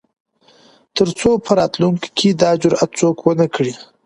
تر څو په راتلونکو کې دا جرات څوک ونه کړي.